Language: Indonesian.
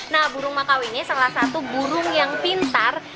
nah burung makau ini salah satu burung yang pintar